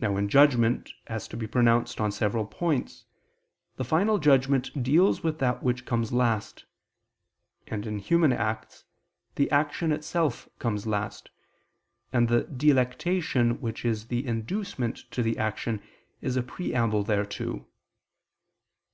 Now when judgment has to be pronounced on several points, the final judgment deals with that which comes last; and, in human acts, the action itself comes last, and the delectation which is the inducement to the action is a preamble thereto.